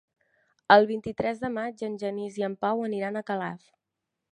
El vint-i-tres de maig en Genís i en Pau aniran a Calaf.